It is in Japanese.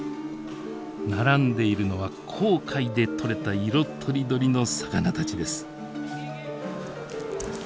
並んでいるのは紅海で取れた色とりどりの魚たちです。